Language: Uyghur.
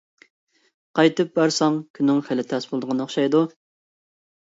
قايتىپ بارساڭ، كۈنۈڭ خېلى تەس بولىدىغان ئوخشايدۇ.